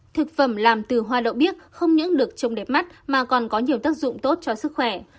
thực phẩm làm từ hoa đậu bí không những được trồng đẹp mắt mà còn có nhiều tác dụng tốt cho sức khỏe